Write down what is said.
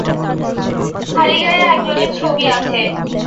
খালিগায়ে এক জনের ছবি আছে।